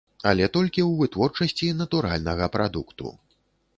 Але толькі ў вытворчасці натуральнага прадукту.